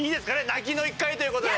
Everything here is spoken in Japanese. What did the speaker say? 泣きの一回という事で。